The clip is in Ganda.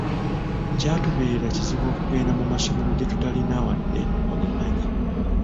Kyatubeerara kizibu okugenda mu masomero gye tutaalina wadde omumanye.